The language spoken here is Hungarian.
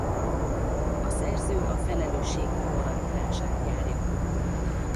A szerző a felelősség moralitását járja körül.